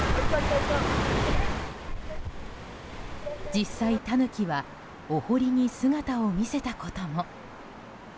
実際、タヌキはお堀に姿を見せたことも。